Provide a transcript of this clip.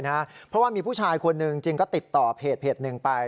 เพราะว่ามีผู้ชายคนหนึ่งจริงก็ติดต่อเพจหนึ่งไป